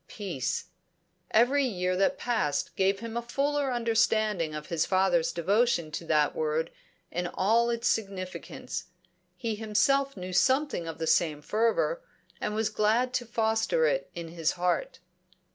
Peace! Every year that passed gave him a fuller understanding of his father's devotion to that word in all its significance; he himself knew something of the same fervour, and was glad to foster it in his heart.